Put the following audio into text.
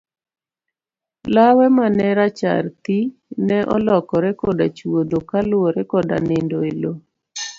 Lawe mane rachar thii ne olokore koda chuodho kaluwore koda nindo e loo.